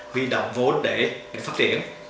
huy động vốn để phát triển